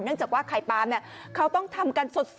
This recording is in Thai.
จากว่าไข่ปลามเขาต้องทำกันสด